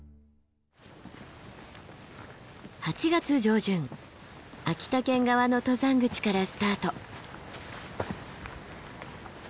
８月上旬秋田県側の登山口からスタート。